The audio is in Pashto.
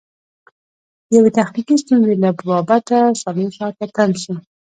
د یوې تخنیکي ستونزې له با بته څلور ساعته تم سو.